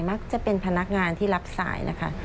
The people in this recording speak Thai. มักจะเป็นพนักงานที่รับสายนะคะ